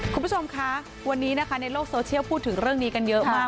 คุณผู้ชมคะวันนี้นะคะในโลกโซเชียลพูดถึงเรื่องนี้กันเยอะมาก